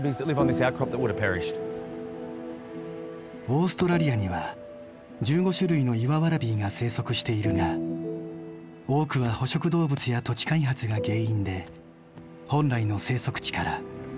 オーストラリアには１５種類のイワワラビーが生息しているが多くは捕食動物や土地開発が原因で本来の生息地から姿を消した。